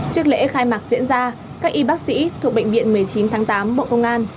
trước lễ khai mạc diễn ra các y bác sĩ thuộc bệnh viện một mươi chín tháng tám bộ công an